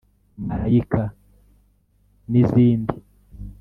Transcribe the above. "Malaika” n’izindi